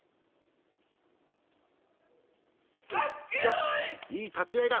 よしいい立ち合いだ。